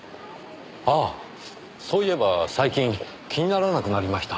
ああそういえば最近気にならなくなりました。